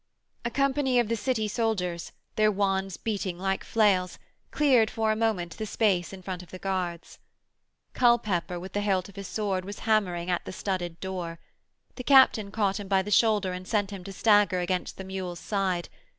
A company of the City soldiers, their wands beating like flails, cleared for a moment the space in front of the guards. Culpepper with the hilt of his sword was hammering at the studded door. The captain caught him by the shoulder and sent him to stagger against the mule's side.